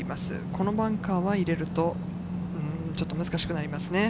このバンカーは入れるとちょっと難しくなりますね。